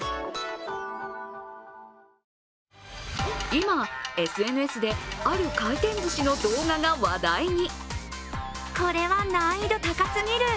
今、ＳＮＳで、ある回転ずしの動画が話題に。